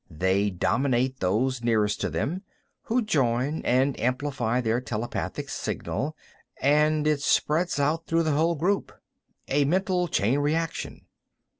They dominate those nearest to them, who join and amplify their telepathic signal, and it spreads out through the whole group. A mental chain reaction."